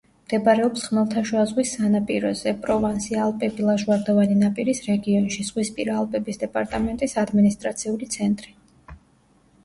მდებარეობს ხმელთაშუა ზღვის სანაპიროზე, პროვანსი-ალპები-ლაჟვარდოვანი ნაპირის რეგიონში; ზღვისპირა ალპების დეპარტამენტის ადმინისტრაციული ცენტრი.